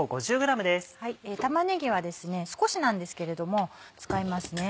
玉ねぎは少しなんですけれども使います。